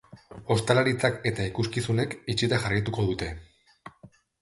Ostalaritzak eta ikuskizunek itxita jarraituko dute.